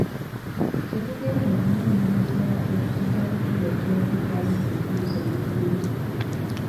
Kye tugenda okunoonyerezaako kijja kutuwa eky'okuddamu ku bibuuzo bye tulina.